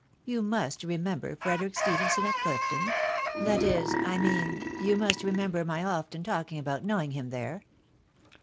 You must remember Frederic Stephenson at Clifton — that is, I mean, you must remember my often talking about knowing him there."